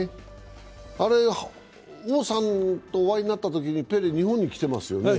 王さんとお会いになったとき、ペレ、日本に来てますよね。